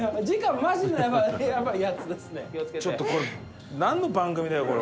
ちょっとこれなんの番組だよこれ。